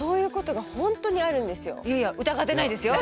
いやいや疑ってないですよ。